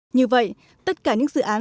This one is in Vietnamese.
như vậy tất cả những dự án